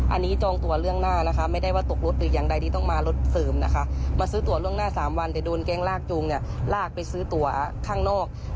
อันนี้จองตัวเรื่องหน้านะคะไม่ได้ว่าตกรถหรืออย่างใดที่ต้องมารถเสริมนะคะมาซื้อตัวล่วงหน้า๓วันแต่โดนแก๊งลากจูงเนี่ยลากไปซื้อตัวข้างนอก